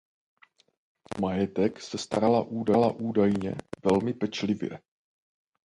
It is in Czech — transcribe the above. O majetek se starala údajně velmi pečlivě.